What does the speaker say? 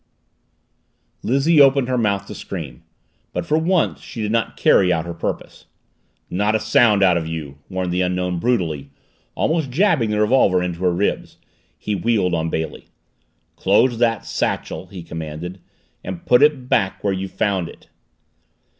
Lizzie opened her mouth to scream. But for once she did not carry out her purpose. "Not a sound out of you!" warned the Unknown brutally, almost jabbing the revolver into her ribs. He wheeled on Bailey. "Close that satchel," he commanded, "and put it back where you found it!"